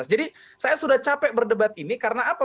jadi saya sudah capek berdebat ini karena apa